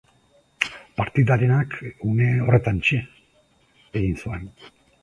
Partidarenak une horretantxe egin zuen.